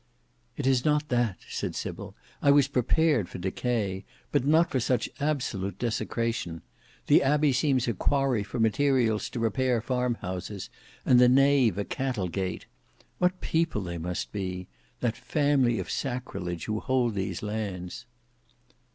"It is not that," said Sybil: "I was prepared for decay, but not for such absolute desecration. The Abbey seems a quarry for materials to repair farm houses; and the nave a cattle gate. What people they must be—that family of sacrilege who hold these lands!"